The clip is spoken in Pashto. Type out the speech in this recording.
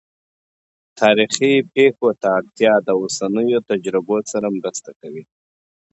تاریخي پېښو ته اړتیا د اوسنیو تجربو سره مرسته کوي.